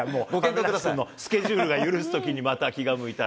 亀梨君のスケジュールが許すときにまた気が向いたら。